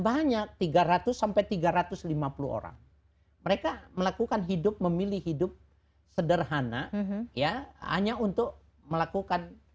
banyak tiga ratus sampai tiga ratus lima puluh orang mereka melakukan hidup memilih hidup sederhana ya hanya untuk melakukan